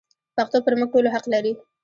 پښتو پر موږ ټولو حق لري.